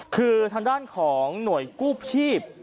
คือทางด้านของหน่วยกู้ชีพ